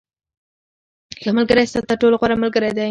• ښه ملګری ستا تر ټولو غوره ملګری دی.